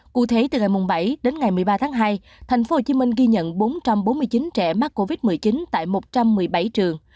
cụ thể từ ngày bảy đến ngày một mươi ba tháng hai thành phố hồ chí minh ghi nhận bốn trăm bốn mươi chín trẻ mắc covid một mươi chín tại một trăm một mươi bảy trường